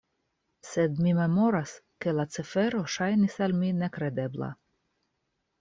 Sed mi memoras, ke la cifero ŝajnis al mi nekredebla.